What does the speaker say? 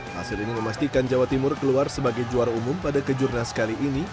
hasil ini memastikan jawa timur keluar sebagai juara umum pada kejurnas kali ini